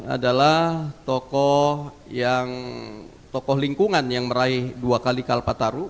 adalah tokoh yang tokoh lingkungan yang meraih dua kali kalpataru